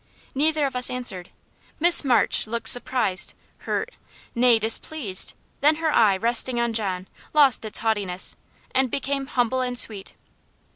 Neither of us answered. Miss March looked surprised hurt nay, displeased; then her eye, resting on John, lost its haughtiness, and became humble and sweet.